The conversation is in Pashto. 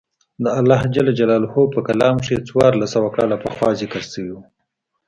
د الله په کلام کښې څوارلس سوه کاله پخوا ذکر سوي وو.